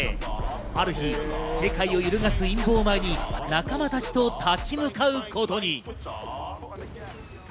ある日、世界を揺るがす陰謀を前に仲間たちと立ち向かうことに。